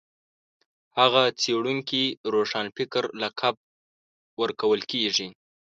هغه څېړونکي روښانفکر لقب ورکول کېږي